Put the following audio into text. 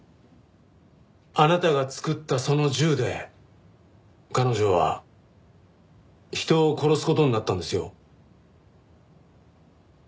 あなたが作ったその銃で彼女は人を殺す事になったんですよ。